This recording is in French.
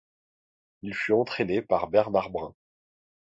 Il fut entraîné par Bernard Brun.